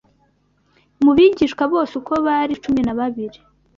Mu bigishwa bose uko bari cumi na babiri,